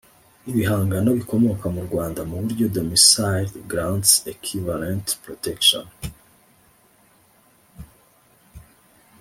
ibihangano bikomoka mu Rwanda mu buryo domiciled grants equivalent protection